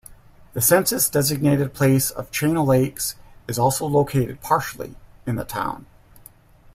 The census-designated place of Chain O' Lakes is also located partially in the town.